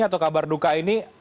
atau kabar duka ini